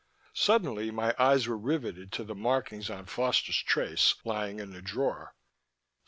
Suddenly my eyes were riveted to the markings on Foster's trace lying in the drawer.